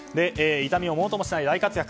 痛みをものともしない大活躍。